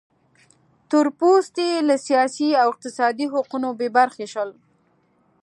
تور پوستي له سیاسي او اقتصادي حقونو بې برخې شول.